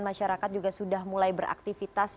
masyarakat juga sudah mulai beraktivitas